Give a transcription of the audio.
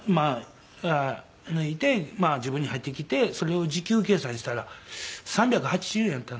が抜いて自分に入ってきてそれを時給計算したら３８０円やったんです。